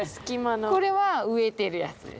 これは植えてるやつです。